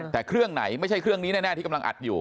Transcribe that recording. แต่เครื่องไหนไม่ใช่เครื่องนี้แน่ที่กำลังอัดอยู่